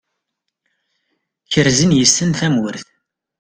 Kerzen yes-sen tamurt.